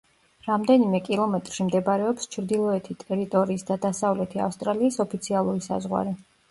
რამდენიმე კილომეტრში მდებარეობს ჩრდილოეთი ტერიტორიის და დასავლეთი ავსტრალიის ოფიციალური საზღვარი.